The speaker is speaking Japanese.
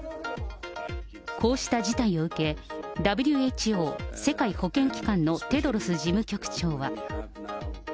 こうした事態を受け、ＷＨＯ・世界保健機関のテドロス事務局長は。